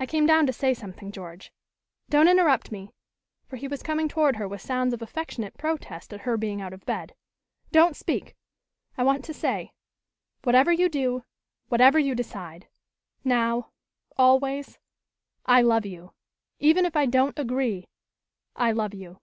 I came down to say something, George. Don't interrupt me " for he was coming toward her with sounds of affectionate protest at her being out of bed. "Don't speak! I want to say whatever you do, whatever you decide now always I love you. Even if I don't agree, I love you."